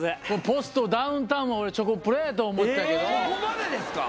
ポストダウンタウンは俺チョコプラやと思ってたけどそこまでですか？